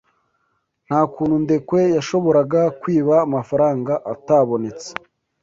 Nta kuntu Ndekwe yashoboraga kwiba amafaranga atabonetse.